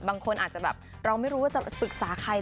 บางคนอาจจะแบบเราไม่รู้ว่าจะปรึกษาใคร